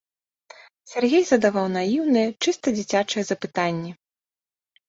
Сяргей задаваў наіўныя, чыста дзіцячыя запытанні.